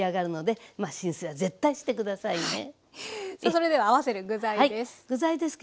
さあそれでは合せる具材です。